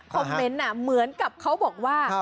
เมนต์เหมือนกับเขาบอกว่า